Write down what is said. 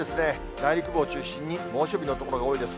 内陸部を中心に猛暑日の所が多いです。